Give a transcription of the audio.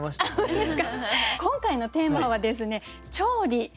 今回のテーマはですね「調理」。